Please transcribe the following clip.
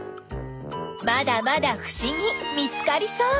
まだまだふしぎ見つかりそう！